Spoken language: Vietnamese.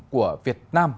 của việt nam